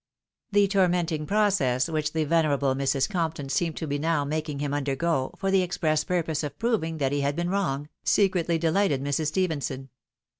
The tormenting process which the' venerable Mrs. Compton seemed to be now making him undergo, for the express purpose of proving that he had been wrong, secretly delighted Mrs. Stephenson.